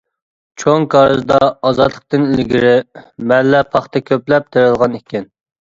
چوڭ كارىزدا ئازادلىقتىن ئىلگىرى مەللە پاختا كۆپلەپ تېرىلغان ئىكەن.